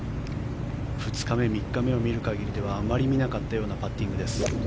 ２日目、３日目を見る限りではあまり見なかったようなパッティングです。